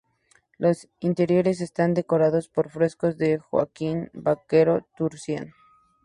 Los interiores están decorados por frescos de Joaquín Vaquero Turcios.